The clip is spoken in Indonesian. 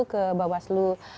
ke bawah selu